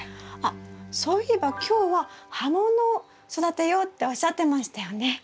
あっそういえば今日は葉物を育てようっておっしゃってましたよね。